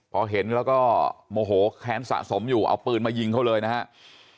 พอเห็นแล้วก็โมโหแค้นสะสมอยู่เอาปืนมายิงเขาเลยนะครับ